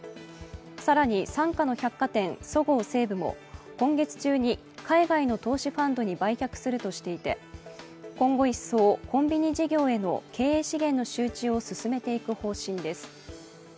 更に傘下の百貨店、そごう・西武も今月中に海外の投資ファンドに売却するとしていて、今後、一層コンビニ事業への経営資源の集中を進めていく方針です。